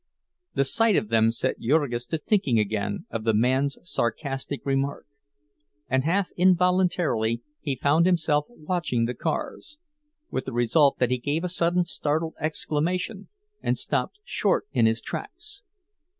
The sight of them set Jurgis to thinking again of the man's sarcastic remark; and half involuntarily he found himself watching the cars—with the result that he gave a sudden startled exclamation, and stopped short in his tracks.